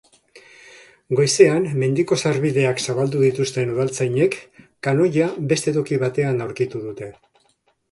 Goizean mendiko sarbideak zabaldu dituzten udaltzainek kanoia beste toki batean aurkitu dute.